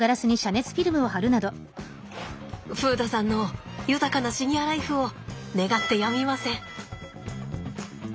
風太さんの豊かなシニアライフを願ってやみません！